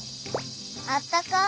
あったかい。